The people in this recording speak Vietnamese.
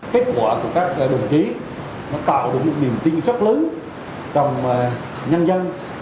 kết quả của các đồng chí nó tạo được một niềm tin rất lớn trong nhân dân